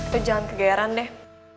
lo jangan kegayaran deh